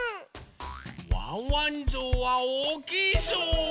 ワンワンぞうはおおきいぞう！